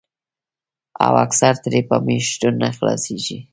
او اکثر ترې پۀ مياشتو نۀ خلاصيږي